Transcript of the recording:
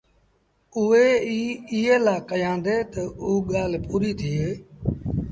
اُئي ايٚ ايٚئي لآ ڪهيآندي تا اوٚ ڳآل پوريٚ ٿئي